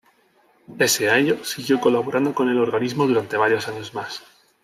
Pese a ello, siguió colaborando con el organismo durante varios años más.